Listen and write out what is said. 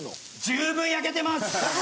十分焼けてます！